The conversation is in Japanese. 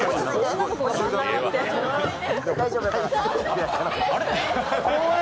大丈夫だから。